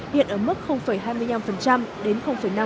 hiện ở mức hai mươi năm đến năm